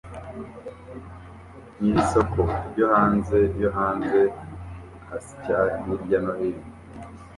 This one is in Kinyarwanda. Nyir'isoko ryo hanze yo hanze asya hirya no hino